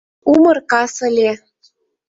Умыр кас ыле.